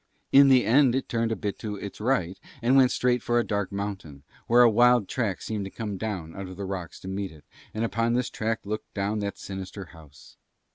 In the end it turned a bit to its right and went straight for a dark mountain, where a wild track seemed to come down out of the rocks to meet it, and upon this track looked down that sinister house.